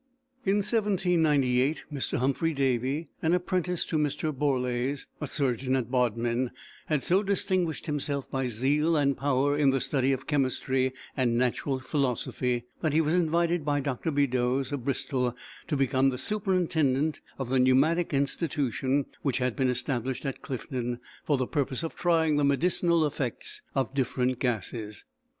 In 1798, Mr. Humphry Davy, an apprentice to Mr. Borlase, a surgeon at Bodmin, had so distinguished himself by zeal and power in the study of chemistry and natural philosophy, that he was invited by Dr. Beddoes, of Bristol, to become the "superintendent of the Pneumatic Institution which had been established at Clifton for the purpose of trying the medicinal effects of different gases."